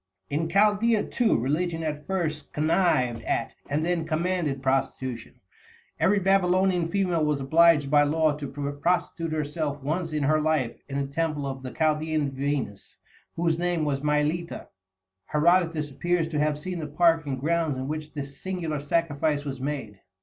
In Chaldæa, too, religion at first connived at, and then commanded prostitution. Every Babylonian female was obliged by law to prostitute herself once in her life in the temple of the Chaldæan Venus, whose name was Mylitta. Herodotus appears to have seen the park and grounds in which this singular sacrifice was made.